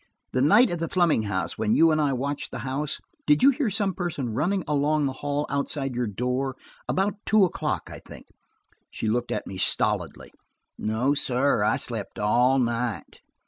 The night at the Fleming home, when you and I watched the house, didn't you hear some person running along the hall outside your door? About two o'clock, I think?" She looked at me stolidly. "No, sir, I slept all night."